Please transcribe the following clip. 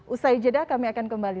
usai jeda kami akan kembali